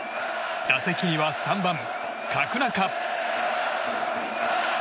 打席には３番、角中。